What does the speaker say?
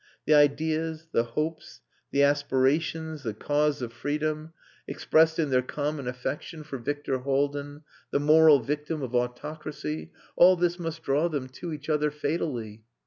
The ideas, the hopes, the aspirations, the cause of Freedom, expressed in their common affection for Victor Haldin, the moral victim of autocracy, all this must draw them to each other fatally.